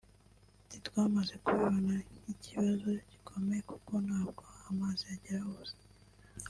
Ati “Twamaze kukibona nk’ikibazo gikomeye kuko ntabwo amazi agera hose